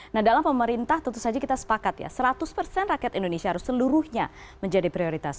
nah dalam pemerintah tentu saja kita sepakat ya seratus persen rakyat indonesia harus seluruhnya menjadi prioritas